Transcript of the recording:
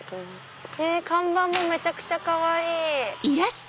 看板もめちゃくちゃかわいい！